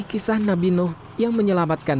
kisah nabi nuh yang menyelamatkan